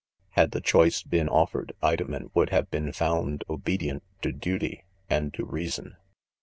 Had the' choice been offered, Women would have tee^ found;, obe dient to duty and to reason.